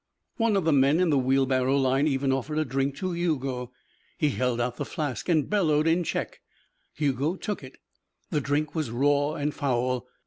One of the men in the wheelbarrow line even offered a drink to Hugo. He held out the flask and bellowed in Czech. Hugo took it. The drink was raw and foul.